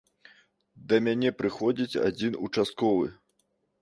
Да мяне прыходзіць адзін участковы.